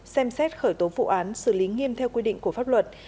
xem xét khởi tố vụ án xử lý nghiêm theo quy định của pháp luật